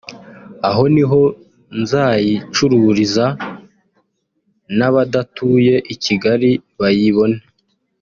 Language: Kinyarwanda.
aho niho nzayicururiza n’abadatuye i Kigali bayibone